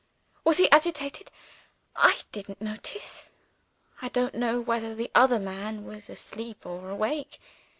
Was he agitated? I didn't notice. I don't know whether the other man was asleep or awake.